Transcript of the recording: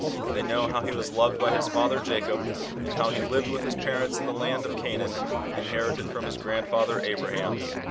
They know how he was loved by his father Jacob, and how he lived with his pareiits in the land of Canaan, inherited from his grandfather Abraham.